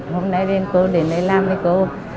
hôm nay cô đến đây làm với cô